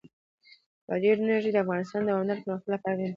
بادي انرژي د افغانستان د دوامداره پرمختګ لپاره اړین دي.